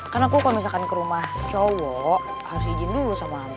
karena aku kalau misalkan ke rumah cowok harus izin dulu sama aku